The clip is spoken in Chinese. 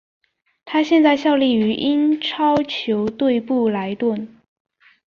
他现在效力于英超球队布莱顿。